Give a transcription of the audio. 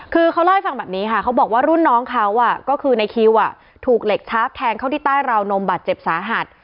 คือเขาเล่าให้ฟังแบบนี้ค่ะเขาบอกว่ารุ่นน้องเขาก็คือในคิวถูกเหล็กชาร์ฟแทงเข้าที่ใต้ราวนมบาดเจ็บสาหัส